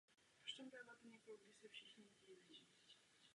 Tento toxin způsobuje vážná zranění až smrt.